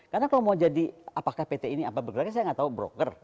karena kalau mau jadi apakah pt ini apa bergeraknya saya nggak tahu broker